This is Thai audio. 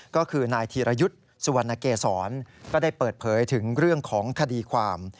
ก็คือนายธีรยุทธ์สุวรรณเกษรก็ได้เปิดเผยถึงเรื่องของคดีความ